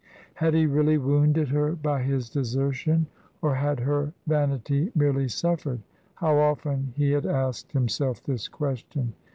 Had he really wounded her by his desertion, or had her vanity merely suffered? How often he had asked himself this question.